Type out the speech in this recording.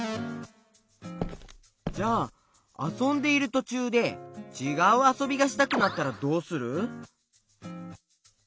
じゃああそんでいるとちゅうでちがうあそびがしたくなったらどうする？